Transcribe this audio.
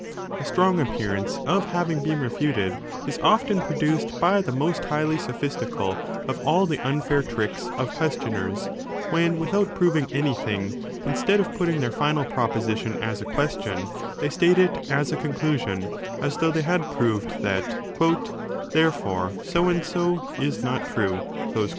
A strong appearance of having been refuted is often produced by the most highly sophistical of all the unfair tricks of questioners, when without proving anything, instead of putting their final proposition as a question, they 10 state it as a conclusion, as though they had proved that Therefore so and so is not true